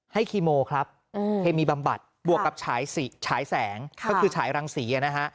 ให้คีโมครับให้มีบำบัดบวกกับฉายสีฉายแสงก็คือฉายรังสีนะฮะ